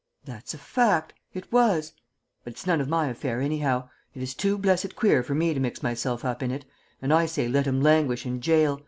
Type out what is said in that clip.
"That's a fact. It was but it's none of my affair anyhow. It is too blessed queer for me to mix myself up in it, and I say let him languish in jail.